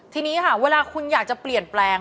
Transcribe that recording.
ทีนี้ค่ะเวลาคุณอยากจะเปลี่ยนแปลง